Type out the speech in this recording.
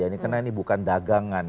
ini karena ini bukan dagangan